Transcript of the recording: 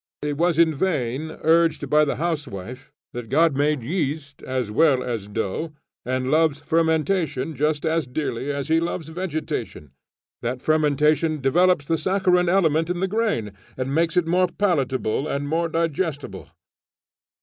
It was in vain urged by the housewife that God made yeast, as well as dough, and loves fermentation just as dearly as he loves vegetation; that fermentation develops the saccharine element in the grain, and makes it more palatable and more digestible.